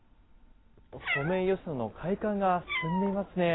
ソメイヨシノの開花が進んでいますね。